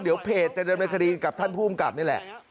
เดี๋ยวเพจจะดำเนินคดีกับท่านภูมิกับนี่แหละ